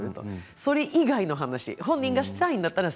それ以外の話本人がしたいんだったら